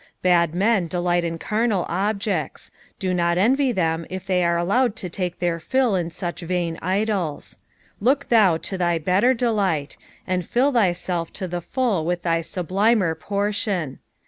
3ad men delight in carnal objects ; do not envy tbem if they are allowed to take their fill in such vain idols ; look thou to thy better delight, and fill thyself to the full with thy sublimer portion.